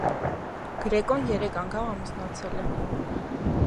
Գրեկոն երեք անգամ ամուսնացել է։